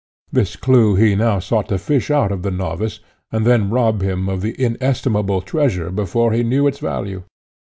This clue he now sought to fish out of the novice, and then rob him of the inestimable treasure before he knew its value.